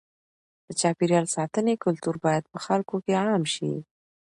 د چاپېریال ساتنې کلتور باید په خلکو کې عام شي.